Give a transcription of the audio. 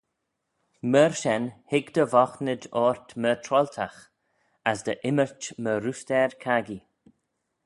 "Myr shen hig dty voghtynid ort myr troailtagh; as dty ymmyrch myr roosteyr caggee."